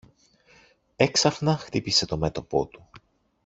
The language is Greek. Έξαφνα χτύπησε το μέτωπο του